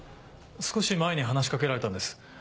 少し前に話し掛けられたんです。